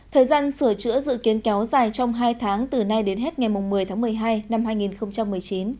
thời gian sửa chữa dự kiến kéo dài trong hai tháng từ nay đến hết ngày một mươi tháng một mươi hai năm hai nghìn một mươi chín